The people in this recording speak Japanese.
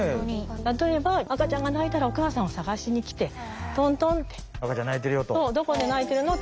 例えば赤ちゃんが泣いたらお母さんを捜しに来てトントンって。赤ちゃん泣いてるよと。